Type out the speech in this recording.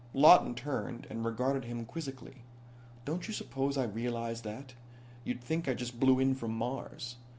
Lawton turned, and regarded him quizzically. "Don't you suppose I realize that? You'd think I just blew in from Mars."